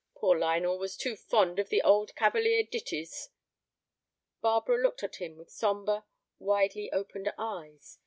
Poor Lionel was too fond of the old Cavalier ditties." Barbara looked at him with sombre, widely opened eyes.